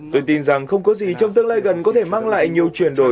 tôi tin rằng không có gì trong tương lai gần có thể mang lại nhiều chuyển đổi